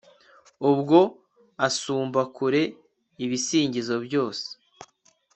ubwo asumba kure ibisingizo byose